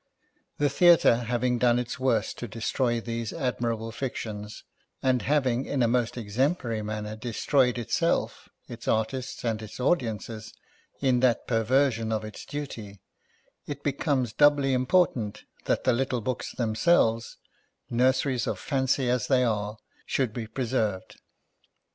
The theatre, having done its worst to destroy these admirable fictions — and having in a most exemplary manner destroyed itself, its artists, and its audiences, in that perversion of its duty — it becomes doubly important that the little books themselves, nurseries of fancy as they are, should be pre served.